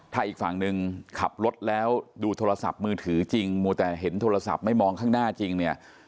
ถ้าอีกฝั่งหนึ่งขับรถแล้วดูโทรศัพท์มือถือจริงมัวแต่เห็นโทรศัพท์ไม่มองข้างหน้าจริงเนี่ย